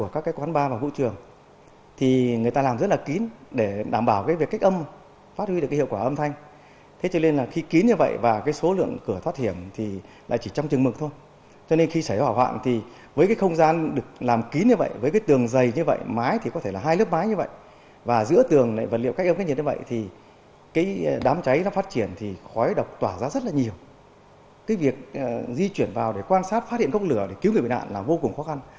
cái việc di chuyển vào để quan sát phát hiện gốc lửa để cứu người bị nạn là vô cùng khó khăn